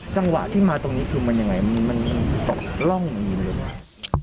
จังหวะที่มาตรงนี้คือมันยังไงมันตกร่องมันยินหรือเปล่า